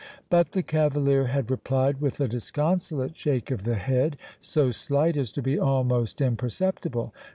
But the cavalier had replied with a disconsolate shake of the head, so slight as to be almost imperceptible.